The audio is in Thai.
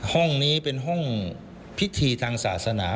ห้องนี้เป็นห้องพิธีทางศาสนา